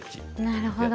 なるほど。